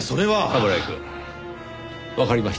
冠城くん。わかりました。